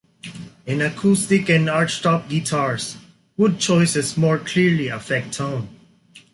In acoustic and archtop guitars, wood choices more clearly affect tone.